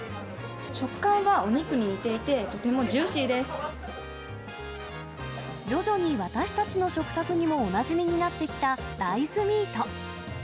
食感はお肉に似ていて、とてもジ徐々に私たちの食卓にもおなじみになってきた大豆ミート。